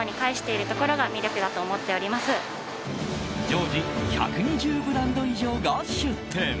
常時１２０ブランド以上が出店。